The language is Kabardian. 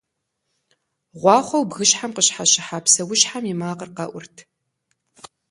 Гъуахъуэу бгыщхьэм къыщхьэщыхьа псэущхьэм и макъыр къэӏурт.